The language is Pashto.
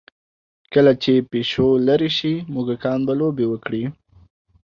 کله چې پیشو لرې شي، موږکان به لوبې وکړي.